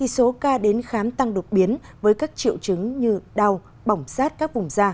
số ca đến khám tăng đột biến với các triệu chứng như đau bỏng sát các vùng da